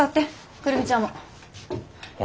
久留美ちゃんも。は？